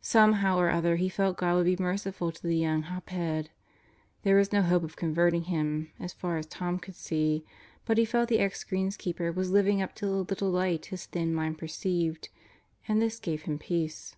Somehow or other he felt God would be merciful to the young hop head. There was no hope of converting him, as far as Tom could see; but he felt the ex greenskeeper was living up to the little light his thin mind perceived and this gave him peace.